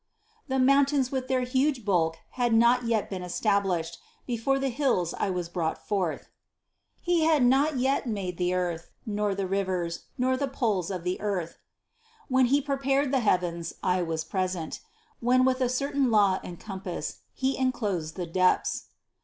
25. "The mountains with their huge bulk had not as yet been established : before the hills I was brought forth." 62 THE CONCEPTION 63 26. "He had not yet made the earth, nor the rivers, nor the poles of the earth." 27. "When He prepared the heavens, I was present : when with a certain law and compass He enclosed the depths."